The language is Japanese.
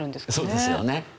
そうですよね。